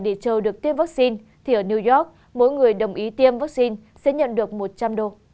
để chờ được tiêm vaccine thì ở new york mỗi người đồng ý tiêm vaccine sẽ nhận được một trăm linh đô